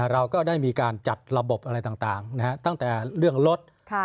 เราก็ได้มีการจัดระบบอะไรต่างตั้งแต่เรื่องรถ